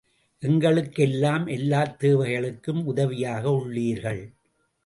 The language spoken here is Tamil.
எங்களுக்கு எல்லாம் எல்லாத் தேவைகளுக்கும் உதவியாக உள்ளீர்கள்.